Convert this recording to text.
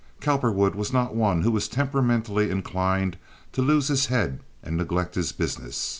Cowperwood was not one who was temperamentally inclined to lose his head and neglect his business.